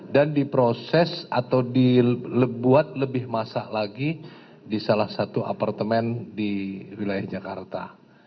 dan diproses atau dibuat lebih masa lagi di salah satu apartemen di wilayah jakarta